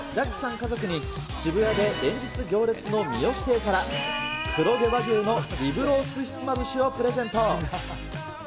家族に、渋谷で連日行列の三芳亭から、黒毛和牛のリブロースひつまぶしをプレゼント。